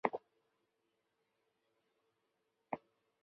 本作歌词同时存在英文版本。